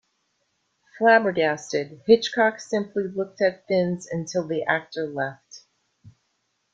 Flabbergasted, Hitchcock simply looked at Thinnes until the actor left.